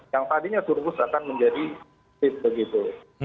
yang tadinya turkus akan menjadi tip begitu